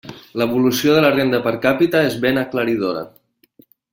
L'evolució de la renda per càpita és ben aclaridora.